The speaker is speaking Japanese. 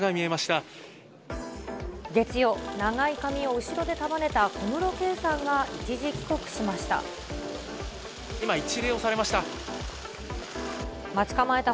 月曜、長い髪を後ろで束ねた、小室圭さんが一時帰国しました。